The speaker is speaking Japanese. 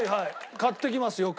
買ってきますよく。